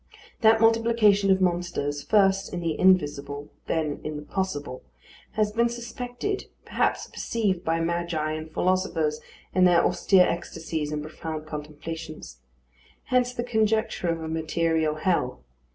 That multiplication of monsters, first in the Invisible, then in the Possible, has been suspected, perhaps perceived by magi and philosophers in their austere ecstasies and profound contemplations. Hence the conjecture of a material hell.